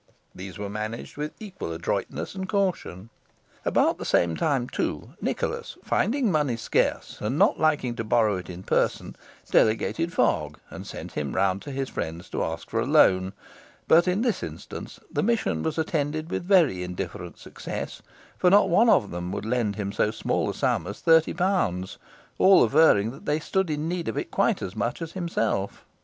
These were managed with equal adroitness and caution. About the same time, too, Nicholas finding money scarce, and, not liking to borrow it in person, delegated Fogg, and sent him round to his friends to ask for a loan; but, in this instance, the mission was attended with very indifferent success, for not one of them would lend him so small a sum as thirty pounds, all averring they stood in need of it quite as much as himself.